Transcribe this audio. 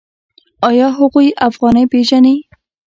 آیا هغوی افغانۍ پیژني؟